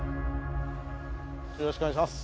よろしくお願いします。